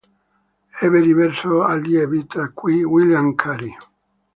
Ebbe diversi allievi, tra cui William Cary.